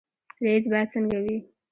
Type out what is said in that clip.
رئیس باید څنګه وي؟